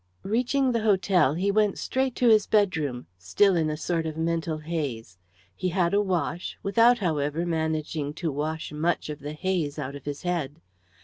Reaching the hotel, he went straight to his bedroom, still in a sort of mental haze. He had a wash without, however, managing to wash much of the haze out of his head.